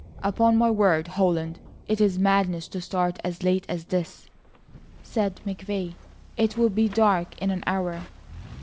"Upon my word, Holland, it is madness to start as late as this," said McVay. "It will be dark in an hour."